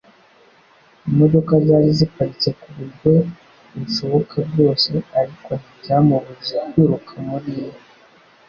Imodoka zari ziparitse kuburyo bushoboka bwose ariko ntibyamubujije kwiruka muri imwe